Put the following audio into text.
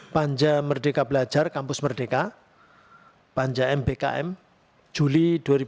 panja merdeka belajar kampus merdeka panja mbkm juli dua ribu dua puluh